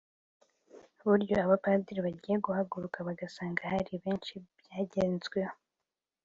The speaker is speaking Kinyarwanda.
buryo abapadiri bagiye bahagaruka bagasanga hari byinshi byagezweho